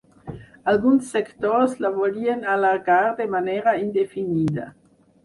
Alguns sectors la volien allargar de manera indefinida.